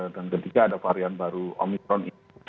dan ketiga ada varian baru omicron ini